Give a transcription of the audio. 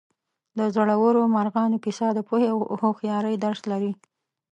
د زړورو مارغانو کیسه د پوهې او هوښیارۍ درس لري.